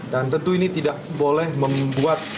dan tentu ini tidak boleh membuat